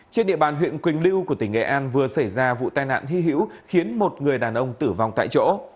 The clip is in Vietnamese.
trên địa bàn huyện quỳnh lưu của tỉnh nghệ an vừa xảy ra vụ tai nạn hy hữu khiến một người đàn ông tử vong tại chỗ